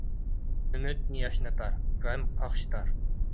ئۈمۈد ياشنىتار، غەم قاقشىتار.